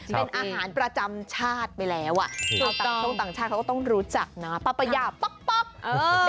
เป็นอาหารประจำชาติอีกชีวิตไปแล้ว